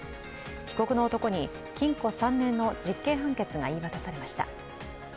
被告の男に禁錮３年の実刑判決が言い渡されました。